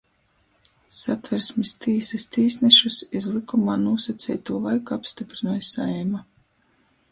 Satversmis tīsys tīsnešus iz lykumā nūsaceitū laiku apstyprynoj Saeima,